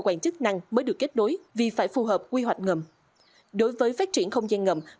quan chức năng mới được kết nối vì phải phù hợp quy hoạch ngầm đối với phát triển không gian ngầm